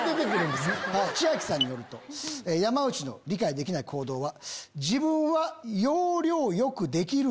ちあきさんによると山内の理解できない行動は。